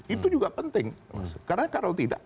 itu juga penting karena kalau tidak